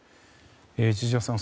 千々岩さん